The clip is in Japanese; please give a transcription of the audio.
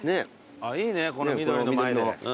いいねこの緑の前で。